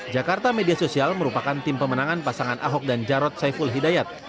jakarta media sosial merupakan tim pemenangan pasangan ahok dan jarod saiful hidayat